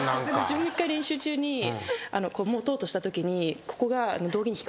自分も１回練習中に持とうとしたときに。